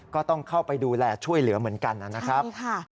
ก็ต้องเข้าไปดูแลช่วยเหลือเหมือนกันนะครับ